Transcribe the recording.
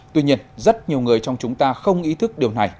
tuy nhiên rất nhiều người trong chúng ta không ý thức điều này